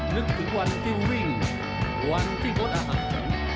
นึกถึงวันที่วิ่งวันที่งดอาหาร